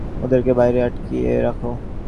ওদেরকে বাইরে আটকিয়ে রাখো।